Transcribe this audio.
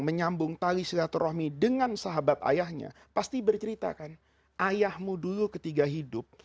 menyambung tali silaturahmi dengan sahabat ayahnya pasti bercerita kan ayahmu dulu ketika hidup